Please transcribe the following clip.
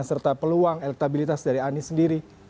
serta peluang elektabilitas dari anies sendiri